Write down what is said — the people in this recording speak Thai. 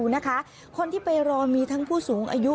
กว่าหนึ่งร้อยคิวนะคะคนที่ไปรอมีทั้งผู้สูงอายุ